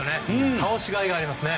倒しがいがありますね。